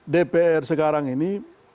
dpr sekarang ini